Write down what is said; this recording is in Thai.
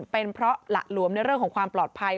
เป็นเพราะหละหลวมในเรื่องของความปลอดภัย